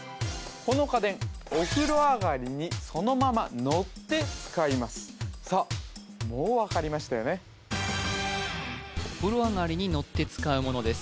この家電お風呂上がりにそのままのって使いますさあもう分かりましたよねお風呂上がりにのって使うものです